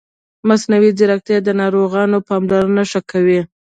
مصنوعي ځیرکتیا د ناروغانو پاملرنه ښه کوي.